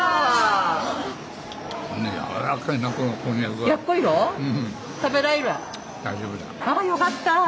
あよかった。